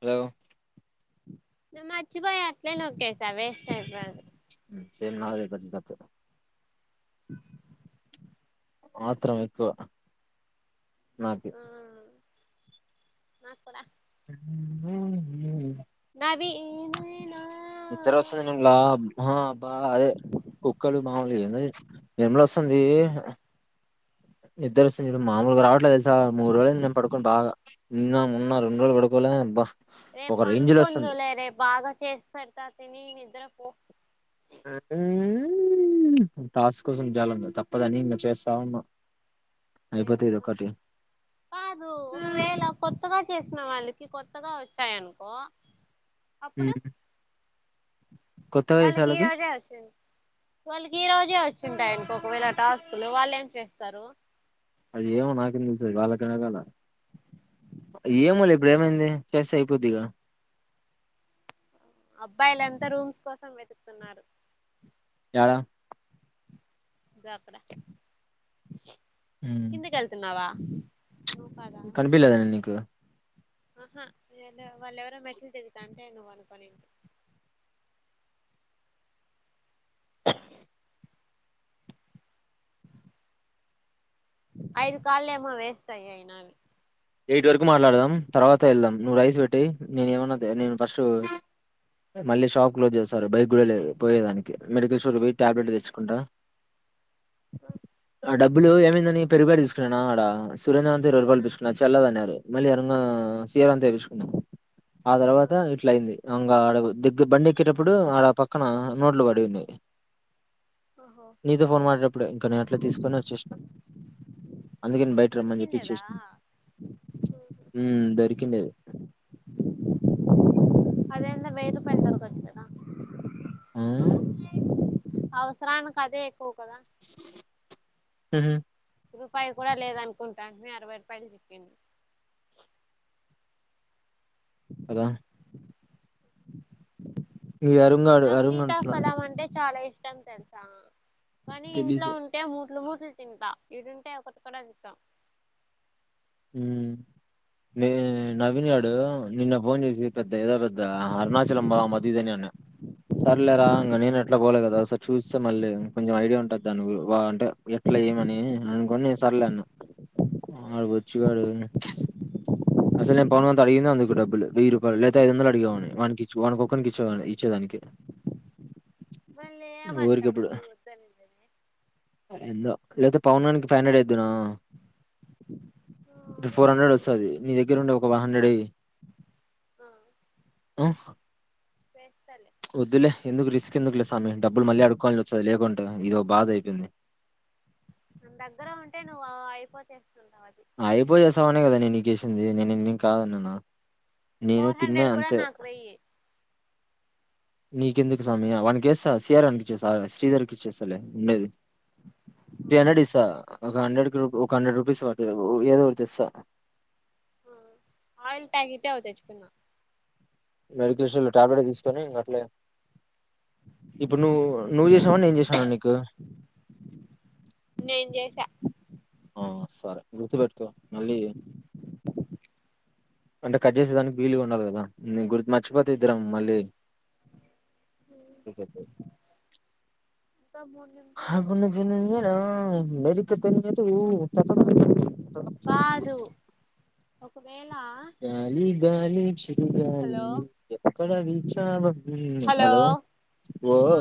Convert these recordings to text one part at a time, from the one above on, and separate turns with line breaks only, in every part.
Hello
నేన్ మచ్చిపోయి అట్లేనొక్కేసా వేస్ట్ అయిపోది
[unintelligible] లేకపోతే తప్పే ఆత్రం ఏక్కవ నాకు
నాకుడా
[unintelligible]
నావి ఏ
నీద్దర వస్తుంది నిలా అబ్బా అదే కుక్కలు మాములు ఏ ఏంల వస్తుంది. నీద్దరు వస్తుంది చూడు మామూలుగా రావట్లేదు తెలుసా మూడు రోజులు నేను పడుకోని బాగా నిన్న మన్న రెండు రోజులు పడుకోలే బా
రేపు పనుకుందులే రేపు బాగా చేసి పెడతా తిని నిద్ర
ఉ టాస్ కోసం జాలాంట్ట తప్పదని ఇంకా చేస్తా ఉనా.
నేను కూడా కాదు ఒకవేళ కొత్తగా చేసిన వాళ్ళకి కొత్తగా వచ్చాయనుకో అప్పుడు
కొత్తగా చేసే
వాళ్ళకి ఈ రోజే వచ్చి వాళ్ళకి ఈ రోజే వచ్చింటాయనుకో ఒకవేళ టాస్కులు వాలెం చేస్తారు
అది ఏమో నాకేం తెలుస్తది వాళ్ళకినగాల ఏమోలే ఇప్పుడు ఏమైంది చేస్తే అయిపోద్ది గా
అబ్బాయిలుంతా రూమ్స్ కోసం వెతుకుతున్నారు.
యాడ
దో అక్కడ కిందకి ఏళ్తున్నావా
కనిపిలేద నేన్నికు
ఆహా వాళ్ళ ఎవరో మెట్లు దిగుతా అంటే నువ్్వ అనుకోనింటి ఐదు కాలేము వేస్ట్ అయ్యాయి నాావి
ఎయిట్ వరకు మాట్లాడదాం తర్వాత వెళ్దాం నువ్వు రైస్ పెట్టి నేను ఏమన్నా నే ఫస్ట్ మళ్ళీ షాప్ క్లోజ్ చేస్తారు బైక్ కూడా లేదు పోయే దానికి మెడికల్ స్టోర్ పోయి టాబ్లెట్ తెచ్చుకుంటా ఆ డబ్బులు ఏమైందని పెరుగుప్యాకెట్ తీసుకున్నానా ఆడ సురేంద్ర అంతే ఇరవై రూపాయలు థీస్ టల ఆన్నారు మళ్ళీ అరున్న సీరని తెపించుకున్నాం ఆ తర్వాత ఇట్ల అయింది అంగ ఆడ ది బండి ఎక్కేటప్పుడు ఆడ పక్కన నోట్లు పడింది
ఓహో
నీతో ఫోన్ మాటడేటప్పుడు ఇంక నే అట్లా తీసుకుని వచ్చేసిన. అందుకేని బయట రమ్మని చెప్పి
దొరికిండేదా
ఇచ్చేసిను. ఉ దొరికిండేది
అదేంత ఏందో వెయ్యి రూపాయలు దొరకొచ్చిన
ఆ
అవసరాను కదే [inaudible]
ఉమ్
రూపాయి కూడా లేద అనుకుంటాను మీ అరవై రూపాయలు చెప్పింది
కదా మీరు
నాకు
అరుంగడుగరు నట్ల
సీతాఫలం అంటే చాలా ఇష్టం తెలుసా కానీ ఇంట్లో
తెలీదు
ఉంటే ముూట్లు ముూట్ తింటా ఇడుంటే ఒకటి కూడా చిక్కవ్
నే నవీన్యాడు నిన్న ఫోన్ చేసి పెద్ద ఏదో పెద్ద అరుణాచలం బదం మది ఇదని అన సరలేరా ఇంకా నేను ఎట్లా పోలే కదాఒకసారి చూస్తే మళ్ళీ కొంచెం ఐడియా ఉంటుంది దానివ అంటే ఎట్లా ఏమని అనుకోని నేను సరలేఅన్న ఆ ఇగాడు అసలు నేను పౌను గాడితో అడిగిందే అందుకు డబ్బులు వెయ్యి రూపాయలు లేపోతే ఐదు వందలు అడిగేవాని వానికి వానీ ఒక్కనికి ఇచ్చేవాని ఇచ్చేదానికి
మళ్ళీ ఏమంట మళ్ళీ వద్దన్ని కి
ఎందో లేకపోతే పవనానికి ఫైవ్ హండ్రెడ్ ఎద్దునా
ఆ
ఇటు ఫోర్ హండ్రెడ్
వేస్టే
వస్సది నీ దగ్గర ఉండే ఒక వన్ హండ్రెడ్ వేయ్
ఆ
ఆ
వేస్తాలే
వద్దులే ఎందుకు రిస్క్ ఎందుకులే సామీ డబ్బులు మళ్ళీ అడుకోవాఅల్సీ వచ్చది లేకుంటే ఇది బాధ అయిపోయింది
నా దగ్గర ఉంటే నువ్ అయిపోతే
అయిపోచేసవనే కదా నేన్ నీ కేస్ ది నేనేం కాదన్నాన
ఫోర్ హండ్రెడ్ కూడా నాకు వెయ్యి
నీకెందుకు సామీ వనకిేస్త సిఆర్ వన్కి ఇచ్చేస్తా శ్రీధర్కి ఇచ్చేస్తాలే ఉండేది త్రీ హండ్రెడ్ ఇస్త
సరే
ఒక హండ్రెడ్కి రూ ఒక హండ్రెడ్ రూపీస్ వాటికి ఏదో ఒకటి తెస్స
ఆయిల్ ప్యాకెట్ అవి తెచ్చుకున్నామ్
మెడికేషోలో లో టాబ్లెట్ తీసుకొని ఇంక అట్లే ఇప్పుడు నువ్ నువ్వు చేసావ నేన్ చేసానా నీకు
నేను చేసా
ఆ సరే గుర్తుపెట్టుకో మళ్ళీ అంటే కట్ జేసేదానికి వీలు ఉండాలి కదా న గుర్తు మర్చిపోతే ఇద్దరం మళ్ళీ [inaudible]
ఇంకా మూడు నిమిషాలు
అబన్ నుంచి
అయిందిలే
ఇంతేనా ఉండేది [inaudible]
బాదు ఒకవేళ
గాలి గాలి ఉజ్ తిరగాలి
హలో
ఎక్కడవి చావా హలో ఓ
ఆ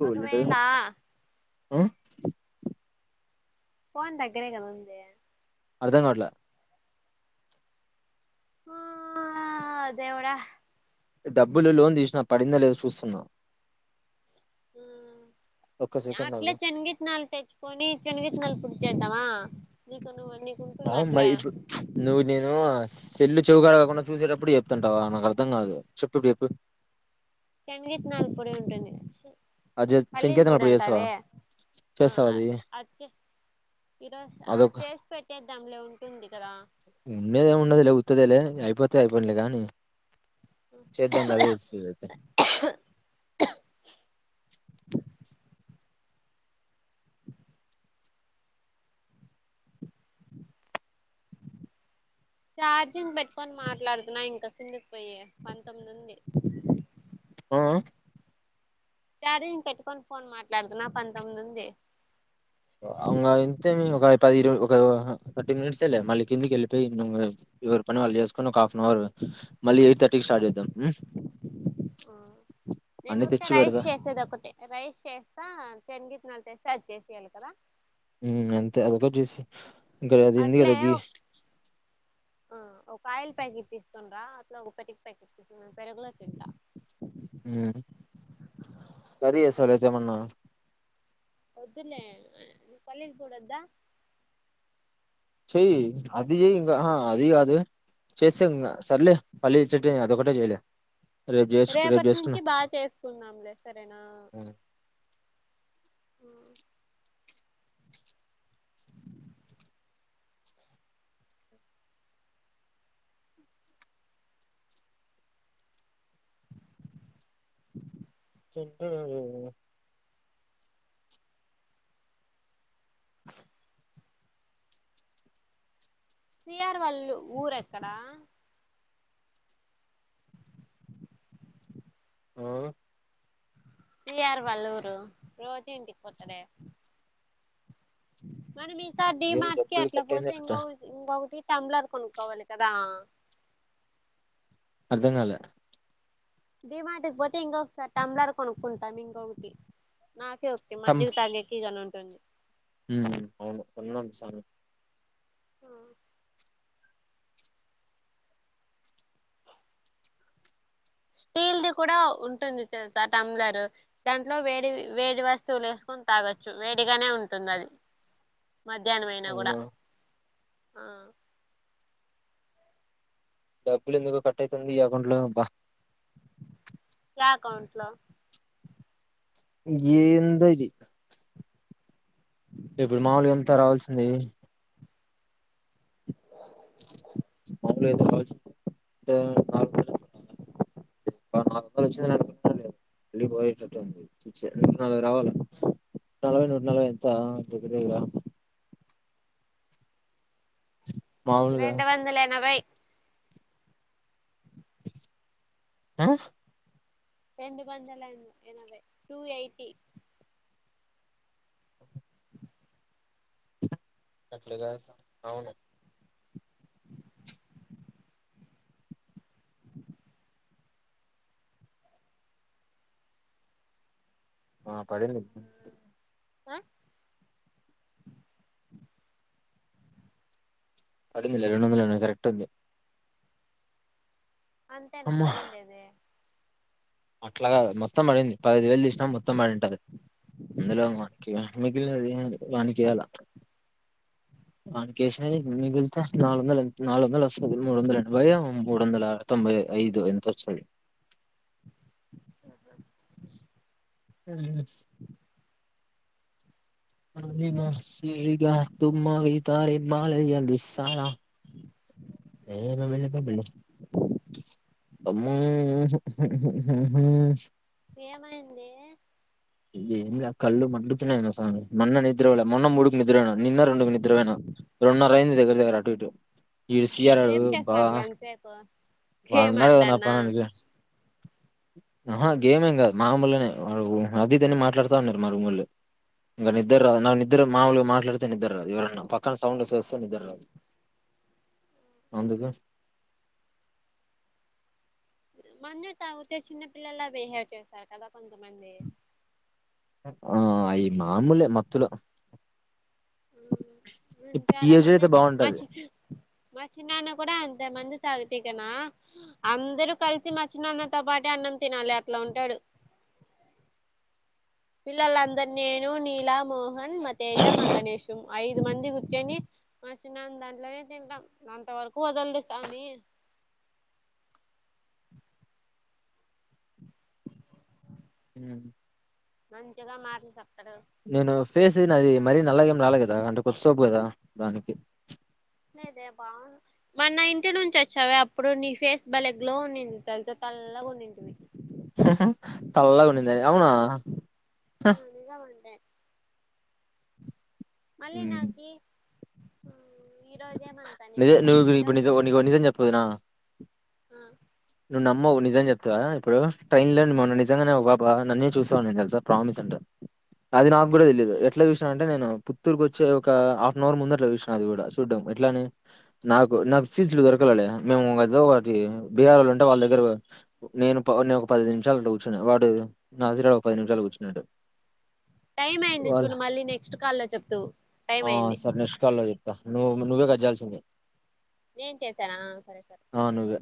బోలెడు
ఒకవేళ
ఆ
పోన్ దగ్గరే గద ఉందే
అర్ధం కాట్ల
ఆ అదేవుడ
డబ్బులు లోన్ తిష్న పడింద లేద చూస్తున్నా ఒక్క సెకండ్
అట్లే
ఆగు
శనగిత్నాలు తెచ్చుకొని శనగిత్నాల్ పుడిచేద్దమా మ్ కొను
ఆ మరి నువు నేనూ సెల్లు చెవుకాడకుండా చూసేటప్పుడు చెప్తంటావా నాకు అర్థం గాదు చెప్పుప్పుడు చెప్పు
[unintelligible] నలపొడి ఉంటుంది
అజె
పల్లీల పొడి
చెంకేతనప్పుడు చేసవా
అంటావే ఆ
చేస్తావది
అచ్చే ఈరోజు ఆ
అదొక్
చేసి పెట్టేద్దాంలే ఉంటుంది కదా
ఉండేదెం ఉండదులే ఉత్తదేలే అయిపోతే అయిపోనిలే గని మ్ చేద్దం అదేస్స్
చార్జింగ్ పెట్కొని మాట్లాడుతున్నా ఇంకా చిందికి పోయే పంతొమ్మిది ఉంది
ఆ అ
ఛార్జింగ్ పెట్కొని ఫోన్ మాట్లాడుతున్నా పంతొమ్మిది ఉంది
అంగ ఇంతే మెం పది ఇర్వై ఒకా ఫటీ మినట్స్ లె మళ్ళి కిందికెల్లి [unintelligible] ఎవరి పనిఆళ్ళ చేేస్కోని ఓకాఫ్ హ్మ్.
అ నేను
అన్ని
ఊరికె
తెచ్చి
రైస్
పెడదా
చేసేది ఒకటి రైస్ చేస్తా పెరిగతనాలుస్తా సర్ చేసేయలి కదా
ఉ అంతే అద ఒక జేసి ఇ [unintelligible]
ఆ ఒక ఆయిల్ ప్యాకెట్ తీస్కొనిరా అట్లా ఒక పెరుగు ప్యాకెట్ తీస్కో పెరుగులో తింట
ఉమ్ కరీ ఎసలే ఐతే ఎమన్నా
వద్దులే పల్లిల్పోడోద్దా
చెయ్ అది చెయ్ కా అహా అది గాదు చేస్తే ఇంగ సర్లే పల్లీ చట్ని అదొకటే చెయలే
రేపట్నుంచి బా చేస్కుందంలే సరేనా [inaudible]
[unintelligible]
[inaudible] సిఆర్వల్లు ఊరు ఎక్కడా
ఆ
సిఆర్ వాల్లూరు రోజు ఇంటికి పోతడే [inaudible] మనం ఈసార్ డీ
ఏం
మార్ట్ కి
డబ్బులు
అట్ల
కట్
పోతే
అయిందట
ఇంగో ఇంగోటి టబ్లర్ కొను కోవలి కదా
అర్ధంగాలె
డీ మాటికి పోతే ఇంకొకసారి టంలర్ కొనుక్కుంటాం ఇంకొకటి నాకే ఒక్తి
తం
మధ్్యకి తగ్గకి ఇగాని ఉంటుంది
అవును ఒన్నసా
ఆ స్టీల్ది కూడా ఉంటుంది తెలుస టమ్లర్ దాంట్లో వేడి వేడి వస్తువులు వేసుకొని తాగొచ్చు వేడిగానే ఉంటుంది అది మధ్యాహ్నం అయినా కూడా
అవునా
ఆ
డబ్బులు ఎందుకు కట్ అవుతుంది ఈ అకౌంట్ లో బా
అకౌంట్ లో
ఏంద ఇది ఇప్పుడు మాముూలుగా ఎంత రావాల్సింది గు నాలుగు వ వచ్చి న మళ్ళ పోయేటటుంది నూ నలభై రావాలి నలభై నూట నలభై ఎంత దగ్గర ద్గర మాములుగా
రెండ వందలేనభై
ఆ
రెం పందలవ టూ ఎయిటీ
అట్లుగా అవును ఆ పడింది
ఆ
పడుందల రెండు వందలు కరెక్ట్ ఉంది
అంతానా
అమ్మా
పడిండది
అట్లాగా మొత్తం పడింది పదిహదు వేలు తీసినా మొత్తం పడింటది అందులో వానికి మిగిలినది వానికి వయాల వానికి వేసిన మిగిలితే నాలుగు వందల నాలుగు వందలు వస్తుంది మూడు వందల ఎనభై మూడు వందల తొంభై ఐదు ఎంత వస్తుంది అస్ సిరిగా తమావి తార బాల బసార
ఏమంది
ఏం కళ్ళు మండుతున్నాయనా స మొన్న నిద్రలే మొన్న మూడుకి నిద్ర అయినా నిన్న రెండుకి నిద్ర పోయినా రెండున్నర అయింది దగ్గర దగ్గర అటు ఇటు వడు సయారడు
ఏం
బా
చేస్తాంటివి అంతసేపు
వాడుు
గేమ్
ఉన్నారు కదా
ఆడతాన్నా
నాప్పా అకు అమ్మా గేమేం కాదు మామమళనే వాకు అది తని మాట్లాడుతా ఉన్నారు మారి ఊళ్ళు ఇంకా నిద్దరు రాదు నా నిద్దరు మాముఊలు మాట్లాడితే నిద్దర రాదు ఎవరన్నా పక్కన సౌండ్ వే వస్తే నిదర రాదు అందుక
మన్న కాతే చిన్న పిల్లలా బిహేవ్ చేస్తారు కదా కొంతమంది
ఆ అయి మాముూలు మత్తులో
అంత
ఇప్పుడు ఈ
చాలా
ఏజ్ లో
మంది
అయితే బాగుంటది
మచి మచి నాచిన్నా అన్న కూడా అంతే మందు తగ కి నా అందరూ కలిసి మచ్చినన్నతో పాట అన్నం తినాలి అట్లా ఉంటాడు పిల్లలందరు నేను నీలా మో హన్ మ ఏజామా గణేష్ం ఐదు మంది కూర్చొని మచిన దాంట్లోనే తింటాం అంత వరకు వదలరు స్వామి
హ
మంచిగా మార్ తప్ప
నేను ఫేస్ అది మరిీ నలగేం రాలదు నాది అంటకొచ్చేసావే కదా దానికి
లేదే బాగు మన్న ఇంటి నుంచి వచ్చావ అప్పుడు నీ ఫేస్ బలేె గ్లో ఉన్నింది తెలుస తెల్లగా ఉండింది
తెల్లగా ఉండిందా అవునా
తెల్లగుండే మల్లినాకి
నిజ ను
ఈరోజు
నిజ నికు నిజం చెప్పు వదిన నువ్వు నమ్మవ్ నిజం చెప్తావా ఇప్పుడు ట్రైన్ లో నిజంగానే ఒక పాపా నన్నే చూస్తావునేది తెలుసా ప్రామిస్ అంట అది నాకు నాకు కూడా తెలియదు ఎట్లా చుసిన అంటే నేను గుంటూరుకు వచ్చే ఒక హాఫ్ ఆన్ అవర్ ముందట్ల అది కూడా చూద్దాం ఎట్లాని నాకు నాకు సీట్లు దొరకాలలే మేము ఏదో ఒటి బీహార్లో ఉంటే వాళ్ళ దగ్గర నేను నేను ఒక పది నిమిషాలు కూర్చున్నా వాడు నజీర్ గాడు ఒక పది నిమిషాలు కూర్చున్నాడు
టైం అయింది
వాళ
చూడు మళ్ళీ నెక్స్ట్ కాల్లో చెప్దువు టైం
ఆ
అయింది
సరే నెక్ట్ కాలో చెప్తా నువ్వు నువ్వే కట్ జాల్సిందే
నెన్ చేసాన సరే సరే
ఆ నువ్వే